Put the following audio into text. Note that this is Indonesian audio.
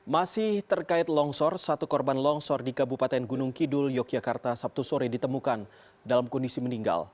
masih terkait longsor satu korban longsor di kabupaten gunung kidul yogyakarta sabtu sore ditemukan dalam kondisi meninggal